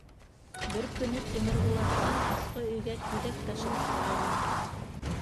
Бер көнө Тимербулаттан аҫҡы өйгә тиҙәк ташыттырғайным.